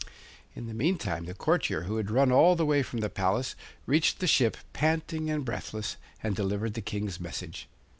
In the meantime the courtier, who had run all the way from the palace, reached the ship panting and breathless, and delivered the King's message.